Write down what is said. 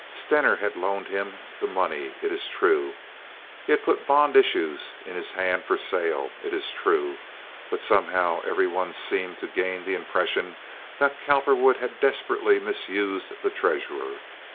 Stener had loaned him the money, it is true—had put bond issues in his hands for sale, it is true, but somehow every one seemed to gain the impression that Cowperwood had desperately misused the treasurer.